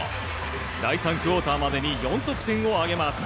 第３クオーターまでに４得点を挙げます。